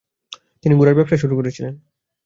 তিনি ঘোড়ার ব্যবসা শুরু করেছিলেন।